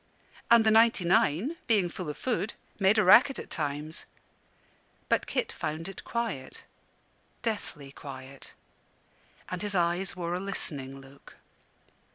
And the ninety nine, being full of food, made a racket at times; but Kit found it quiet deathly quiet; and his eyes wore a listening look.